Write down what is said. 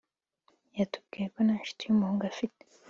Watubwiye ko nta ncuti y’umuhungu ufite